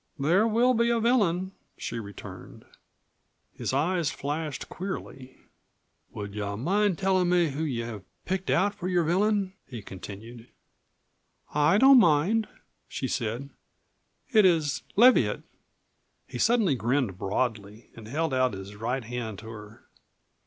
"There will be a villain," she returned. His eyes flashed queerly. "Would you mind tellin' me who you have picked out for your villain?" he continued. "I don't mind," she said. "It is Leviatt." He suddenly grinned broadly and held out his right hand to her.